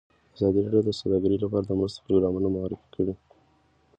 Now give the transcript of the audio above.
ازادي راډیو د سوداګري لپاره د مرستو پروګرامونه معرفي کړي.